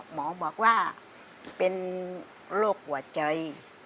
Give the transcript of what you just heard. หมอบอกว่าเป็นโรคหัวใจ